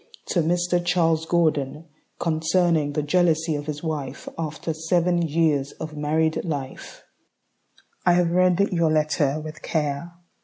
To Mr. Charles Gordon Concerning the Jealousy of His Wife After Seven Years of Married Life I have read your letter with care.